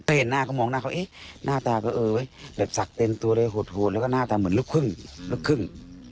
แต่เห็นหน้าก็มองหน้าเขาหน้าตาก็เออไว้แบบสักเต็มตัวเลยโหดแล้วก็หน้าตาเหมือนลูกครึ่ง